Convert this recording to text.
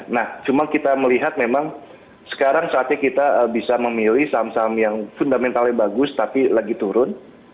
nah cuma kita melihat memang sekarang saatnya kita bisa memilih saham saham yang fundamentalnya bagus tapi lagi turun